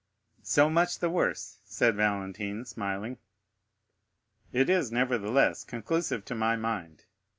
"So much the worse," said Valentine, smiling. "It is, nevertheless, conclusive to my mind.